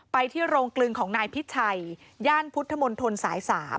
ไปที่โรงกลึงของนายพิชัยย่านพุทธมนตรสาย๓